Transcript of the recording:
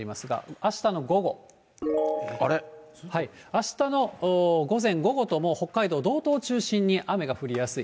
あしたの午前、午後とも北海道道東中心に雨が降りやすい。